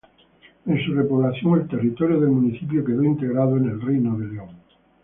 En su repoblación el territorio del municipio quedó integrado en el Reino de León.